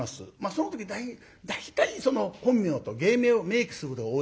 その時大体本名と芸名を明記することが多いんですよね。